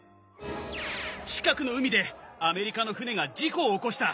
近くの海でアメリカの船が事故を起こした！